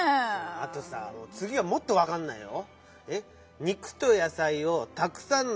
あとさつぎはもっとわかんないよ。